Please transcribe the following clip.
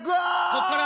こっから！